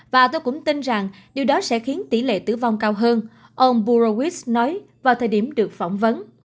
và tôi cũng tin rằng điều đó sẽ khiến tỷ lệ tử vong cao hơn ông buroix nói vào thời điểm được phỏng vấn